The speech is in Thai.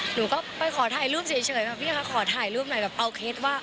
หนูก็ไปขอถ่ายรูปเฉยแบบพี่คะขอถ่ายรูปหน่อยแบบเอาเคล็ดว่า